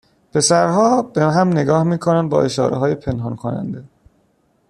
پسرها به هم نگاه میکنند با اشارههای پنهان کننده